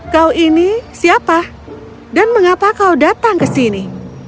kau ini siapa dan mengapa kau datang ke sini